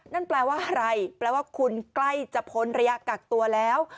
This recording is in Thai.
นั่นแปลว่าอะไรแปลว่าคุณใกล้จะพ้นระยะกักตัวแล้ว